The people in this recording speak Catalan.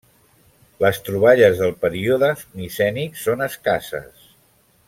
Les troballes del període micènic són escasses.